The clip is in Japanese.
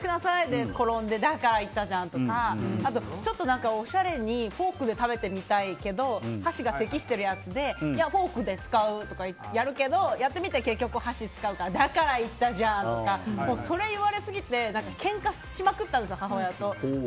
で、転んでだから言ったじゃん！とかちょっとおしゃれにフォークで食べてみたいけど箸が適してるやつでいや、フォーク使うとかやるけどやってみて結局、箸を使うからだから言ったじゃんとかそれ言われすぎてけんかしまくったんです、母親と。